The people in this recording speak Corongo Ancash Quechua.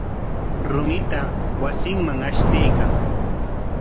Rumita wasinman ashtaykan.